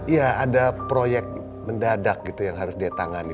ya ada proyek mendadak gitu yang harus dia tangani